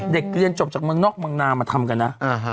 เรียนจบจากเมืองนอกเมืองนามาทำกันนะ